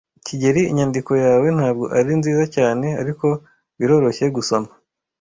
kigeli, inyandiko yawe ntabwo ari nziza cyane, ariko biroroshye gusoma.